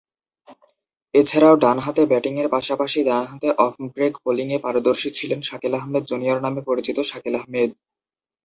এছাড়াও, ডানহাতে ব্যাটিংয়ের পাশাপাশি ডানহাতে অফ ব্রেক বোলিংয়ে পারদর্শী ছিলেন শাকিল আহমেদ জুনিয়র নামে পরিচিত শাকিল আহমেদ।